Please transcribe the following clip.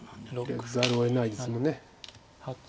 受けざるをえないですもんね。